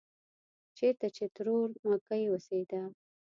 چېرته چې ترور مکۍ اوسېده.